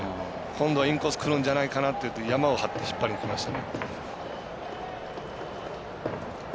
今度はインコースくるんじゃないかなと思ってヤマを張って引っ張りにきました。